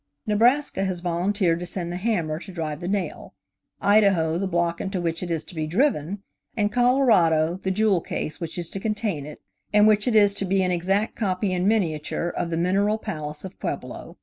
Nebraska has volunteered to send the hammer to drive the nail; Idaho, the block into which it is to be driven, and Colorado, the jewel case which is to contain it, and which is to be an exact copy in miniature of the mineral palace of Pueblo.